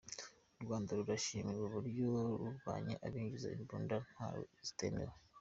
U Rwanda rurashimirwa uburyo rurwanya abinjiza imbunda nto zitemewe.